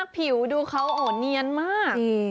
ผิวดูเขาเนียนมาก